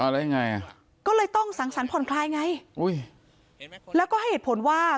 แล้วยังไงอ่ะก็เลยต้องสังสรรคผ่อนคลายไงอุ้ยแล้วก็ให้เหตุผลว่า